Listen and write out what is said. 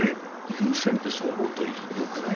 有線ってそう思うとよくない？